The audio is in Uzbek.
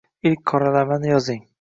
Ilk qoralamani yozing